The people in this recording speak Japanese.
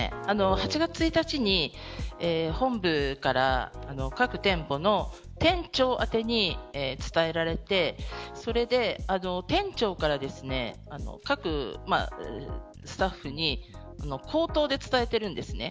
８月１日に本部から各店舗の店長宛てに伝えられて店長から各スタッフに口頭で伝えています。